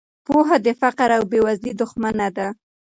پوهه د فقر او بې وزلۍ دښمنه ده.